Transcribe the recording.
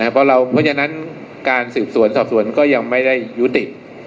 เพราะฉะนั้นการสืบสวนสอบสวนก็ยังไม่ได้ยุติ